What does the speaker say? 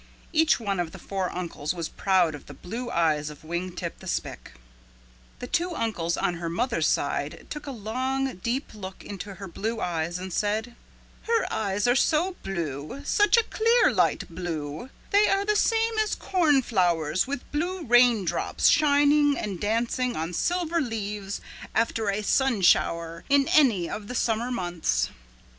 Each one of the four uncles was proud of the blue eyes of Wing Tip the Spick. The two uncles on her mother's side took a long deep look into her blue eyes and said, "Her eyes are so blue, such a clear light blue, they are the same as cornflowers with blue raindrops shining and dancing on silver leaves after a sun shower in any of the summer months."